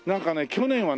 去年はね